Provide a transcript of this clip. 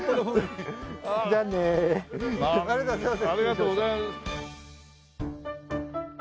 ありがとうございます。